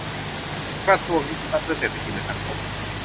กระทรวงดิจิทัลเพื่อเศรษฐกิจและสังคม